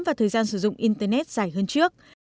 và thời gian sử dụng internet dài hơn trước